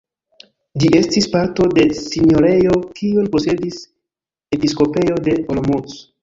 Ĝi estis parto de sinjorejo, kiun posedis episkopejo de Olomouc.